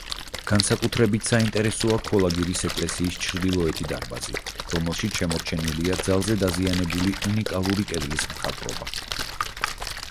განსაკუთრებით საინტერესოა ქოლაგირის ეკლესიის ჩრდილოეთი დარბაზი, რომელშიც შემორჩენილია ძალზე დაზიანებული უნიკალური კედლის მხატვრობა.